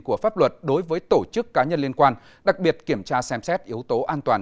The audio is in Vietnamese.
của pháp luật đối với tổ chức cá nhân liên quan đặc biệt kiểm tra xem xét yếu tố an toàn